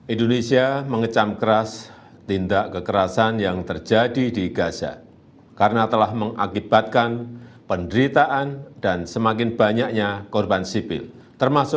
indonesia mengecam keras tindak kekerasan yang terjadi di gaza karena telah mengakibatkan penderitaan dan semakin banyaknya korban sipil